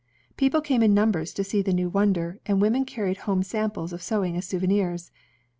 People came in numbers to see the new wonder, and women carried home samples of sewing as souvenirs.